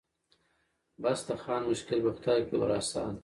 بس د خان مشکل به خدای کړي ور آسانه